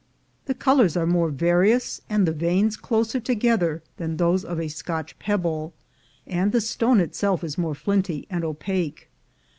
The colors are more various and the veins closer to gether than those of a Scotch pebble, and the stone itself is more flinty and opaque.